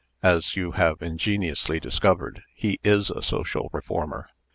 As you have ingeniously discovered, he is a social reformer.